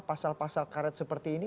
pasal pasal karet seperti ini